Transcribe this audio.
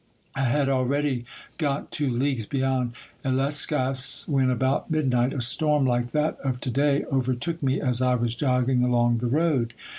I had already got two leagues beyond Illescas, when, about midnight, a storm like that of to day overtook me as I was jogging along the road.